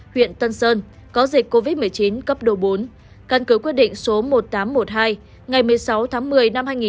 huyện tân sơn có dịch covid một mươi chín cấp độ bốn căn cứ quyết định số một nghìn tám trăm một mươi hai ngày một mươi sáu tháng một mươi năm hai nghìn một mươi